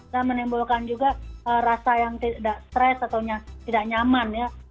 dan menimbulkan juga rasa yang tidak stress atau tidak nyaman ya